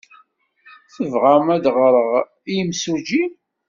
Tebɣam ad d-ɣreɣ i yimsujji?